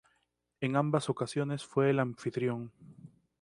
En ambas ocasiones fue el anfitrión.